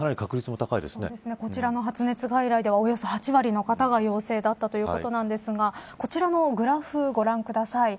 こちらの発熱外来ではおよそ８割の方が陽性だったということですがこちらのグラフご覧ください。